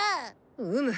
うむ。